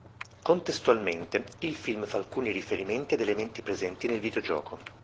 Contestualmente, il film fa alcuni riferimenti ad elementi presenti nel videogioco.